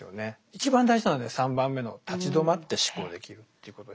一番大事なので３番目の「立ち止まって思考できる」ということで。